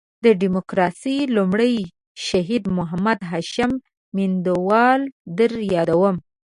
د ډیموکراسۍ لومړی شهید محمد هاشم میوندوال در یادوم.